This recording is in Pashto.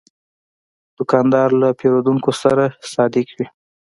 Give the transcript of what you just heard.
دوکاندار له پیرودونکو سره صادق وي.